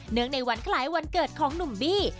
เนื่องในวันขหลายวันเกิดของหนุ่มบี้